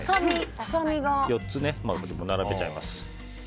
４つ並べちゃいます。